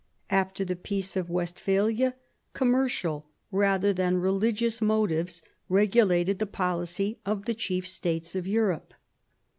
After the Peace of Westphalia, commercial rather than religious motives regulated the policy of the chief states of Europe.